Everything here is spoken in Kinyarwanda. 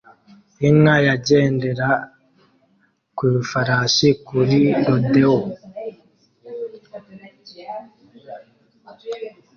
Inka yagendera ku ifarashi kuri rodeo